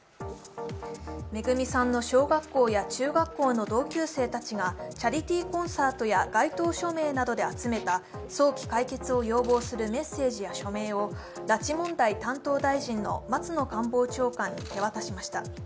めぐみさんの小学校や中学校の同級生たちがチャリティーコンサートや街頭署名などで集めた早期解決を要望するメッセージや署名を拉致問題担当大臣の松野官房長官に手渡しました。